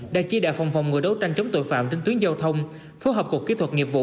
đã chia đạo phòng phòng người đấu tranh chống tội phạm trên tuyến giao thông phối hợp cuộc kỹ thuật nghiệp vụ